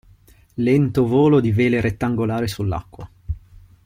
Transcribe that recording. Lento volo di vele rettangolari sull'acqua.